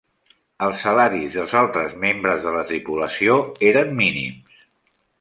Els salaris dels altres membres de la tripulació eren mínims.